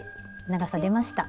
長さ出ました。